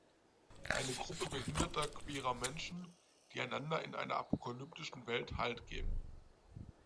Eine Gruppe behinderter, queerer Menschen, die einander in einer apokalyptischen Welt Halt geben.